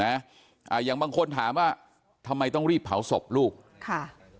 อ่าอย่างบางคนถามว่าทำไมต้องรีบเผาศพลูกค่ะ